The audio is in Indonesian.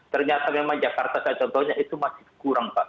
ternyata memang jakarta saya contohnya itu masih kurang pak